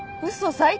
最低！